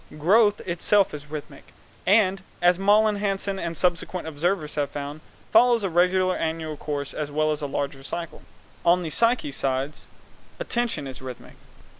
Growth itself is rhythmic, and, as Malling Hansen and subsequent observers have found, follows a regular annual course as well as a larger cycle. On the psychic sides attention is rhythmic.